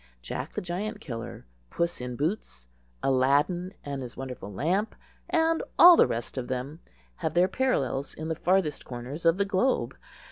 "Jack the Giant Killer," "Puss in Boots," "Aladdin and his Wonderful Lamp," and all the rest of them, have their parallels in the farthest corners of the globe.